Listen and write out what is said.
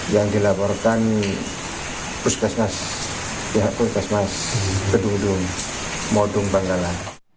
yang dilaporkan puskesmas pihak puskesmas kedudung modung bangkalan